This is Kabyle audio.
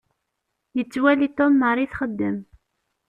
Yettwali Tom Mary txeddem.